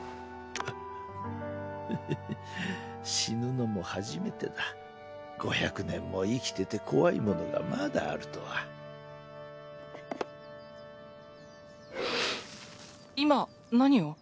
ふふふっ死ぬのも初めてだ５００年も生きてて怖いものがまだあ今何を？